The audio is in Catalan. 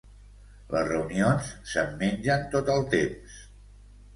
Les reunions se'm mengen tot el temps.